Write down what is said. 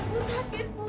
aduh sakit bu